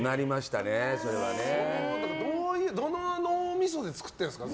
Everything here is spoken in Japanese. どの脳みそで作ってるんですか。